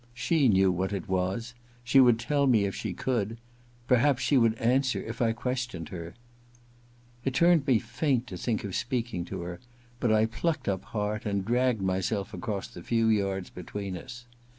She knew what it was ; 152 THE LADY'S MAID'S BELL iv she would tell me if she could ; perhaps she would answer if I questioned her. It turned me faint to think of speaking to her ; but I plucked up heart and dragged my self across the few yards between us.